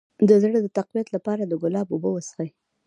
د زړه د تقویت لپاره د ګلاب اوبه وڅښئ